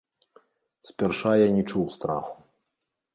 Спярша я не чуў страху.